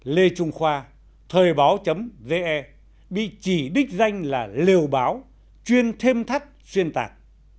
lê trung khoa thời báo ve bị chỉ đích danh là liều báo chuyên thêm thắt xuyên tạc